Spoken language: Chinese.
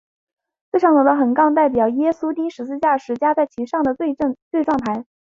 最上头的横杠代表耶稣钉十字架时加在其上的罪状牌。